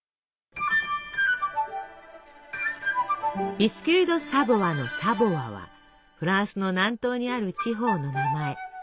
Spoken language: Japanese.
ビスキュイ・ド・サヴォワの「サヴォワ」はフランスの南東にある地方の名前。